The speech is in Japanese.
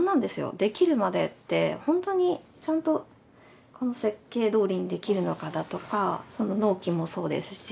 できるまでって本当にちゃんとこの設計どおりにできるのかだとか納期もそうですし。